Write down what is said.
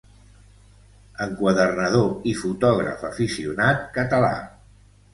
Enquadernador i fotògraf aficionat català.